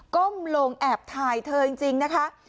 ้มลงแอบถ่ายเธอจริงนะคะ